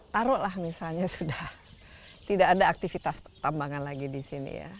taruhlah misalnya sudah tidak ada aktivitas pertambangan lagi di sini ya